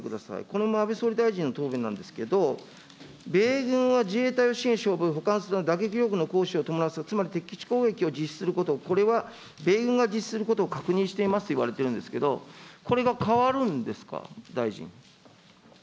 これも安倍総理大臣の答弁なんですけど、米軍は自衛隊を、補完するため打撃力の行使を伴う、つまり敵基地攻撃を実施すること、これは米軍が実施することを確認していますといわれているんですけど、これが変わるんですか。